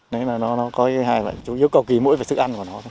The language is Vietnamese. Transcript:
nên là nó có hai loại chủ yếu cầu kỳ mỗi về thức ăn của nó